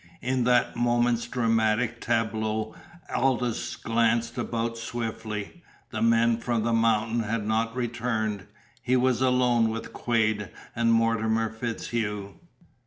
In that moment's dramatic tableau Aldous glanced about swiftly. The men from the mountain had not returned. He was alone with Quade and Mortimer FitzHugh.